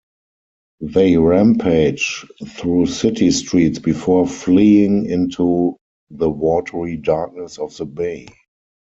They rampage through city streets before fleeing into the watery darkness of the bay.